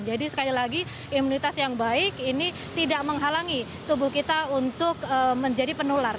jadi sekali lagi imunitas yang baik ini tidak menghalangi tubuh kita untuk menjadi penular